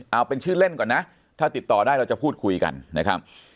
เอาเป็นชื่อเล่นก่อนนะถ้าติดต่อได้เราจะพูดคุยกันนะครับ